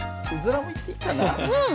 うん。